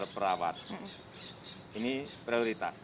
perawat ini prioritas